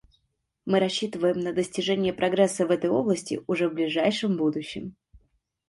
Мы рассчитываем на достижение прогресса в этой области уже в ближайшем будущем.